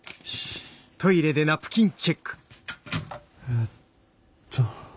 えっと。